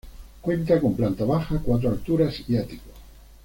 Cuenta con planta baja, cuatro alturas y ático.